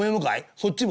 「そっちも？」。